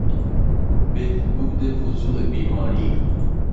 بهبود وضوع بیمار